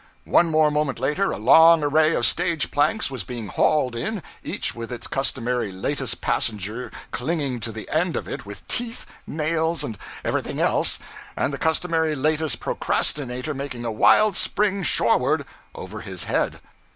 One more moment later a long array of stage planks was being hauled in, each with its customary latest passenger clinging to the end of it with teeth, nails, and everything else, and the customary latest procrastinator making a wild spring shoreward over his head.